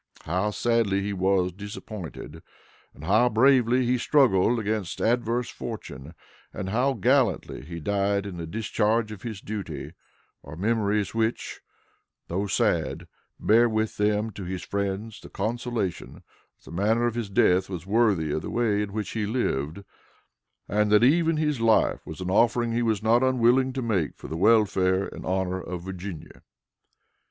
How sadly he was disappointed, and how bravely he struggled against adverse fortune, and how gallantly he died in the discharge of his duty, are memories which, though sad, bear with them to his friends the consolation that the manner of his death was worthy of the way in which he lived, and that even his life was an offering he was not unwilling to make for the welfare and honor of Virginia.